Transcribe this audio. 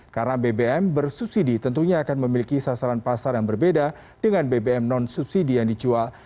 karena bbm bersubsidi tentunya akan memiliki sasaran pasar yang berbeda dengan bbm non subsidi yang dijual